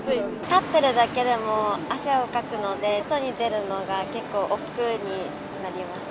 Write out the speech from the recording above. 立ってるだけでも汗をかくので、外に出るのが結構、おっくうになります。